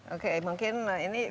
oke mungkin ini